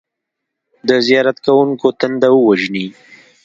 د زیارت کوونکو تنده ووژني.